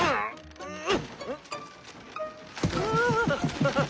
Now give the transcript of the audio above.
ハハハハハ！